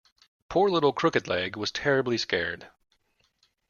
Poor little Crooked-Leg was terribly scared.